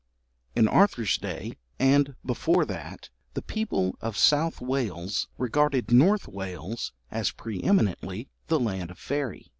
In Arthur's day and before that, the people of South Wales regarded North Wales as pre eminently the land of faerie.